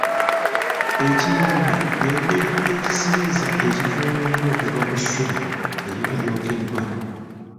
Ekiyonga ye ngeri y’ekisiriiza ekifuumuuka okuva ku ssubi eriba lyokeddwa.